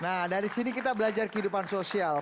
nah dari sini kita belajar kehidupan sosial